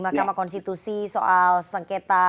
mahkamah konstitusi soal sengketa